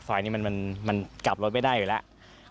ไฟล์นี้มันกลับรถไม่ได้อยู่แล้ว